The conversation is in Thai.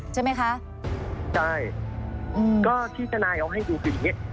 ใช่ไหมคะใช่อืมก็ที่ทนายเอาให้ดูคืออย่างเงี้